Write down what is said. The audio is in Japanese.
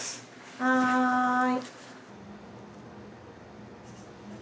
はい。